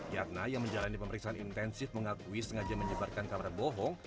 yatna yang menjalani pemeriksaan intensif mengakui sengaja menyebarkan kabar bohong